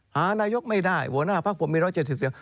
หานายกไม่ได้หัวหน้าพักผมมี๑๗๐เสียง